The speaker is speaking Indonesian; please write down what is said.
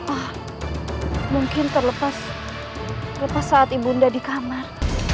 oh mungkin terlepas saat ibu dan di kamar